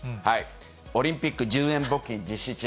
オリンピック１０円募金実施中。